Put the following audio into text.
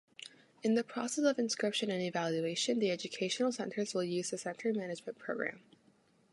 In the process of inscription and evaluation the educational centers will use the Center Management Program.